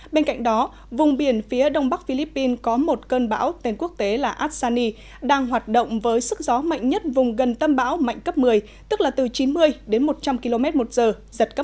bên cạnh đó vùng biển phía đông bắc philippines có một cơn bão tên quốc tế là atsani đang hoạt động với sức gió mạnh nhất vùng gần tâm bão mạnh cấp một mươi tức là từ chín mươi đến một trăm linh km một giờ giật cấp một mươi hai